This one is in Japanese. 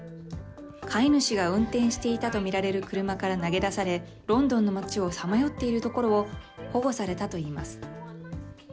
飼い主が運転していたと見られる車から投げ出され、ロンドンの街をさまよっているところを保護されたといいます。